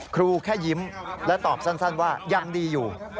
ครูแค่ยิ้มและตอบสั้นว่ายังดีอยู่